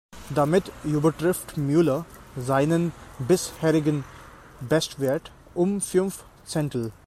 Damit übertrifft Müller seinen bisherigen Bestwert um fünf Zehntel.